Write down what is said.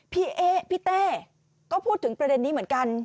พี่เอ๊ะพี่เต้ก็พูดถึงประเด็นนี้เหมือนกัน